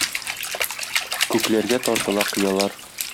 Күкләргә тартыла кыялар.